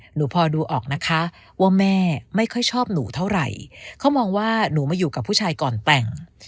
หนูพอดูออกนะคะว่าแม่ไม่ค่อยชอบหนูเท่าไหร่เขามองว่าหนูมาอยู่กับผู้ชายก่อนแต่ง